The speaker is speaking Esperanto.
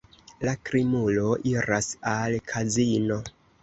La krimulo iras al kazino.